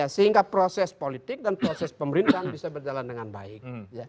sehingga proses politik dan proses pemerintahan bisa berjalan dengan baik